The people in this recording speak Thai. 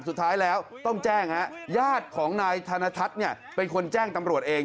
สุดท้ายแล้วต้องแจ้งฮะญาติของนายธนทัศน์เป็นคนแจ้งตำรวจเอง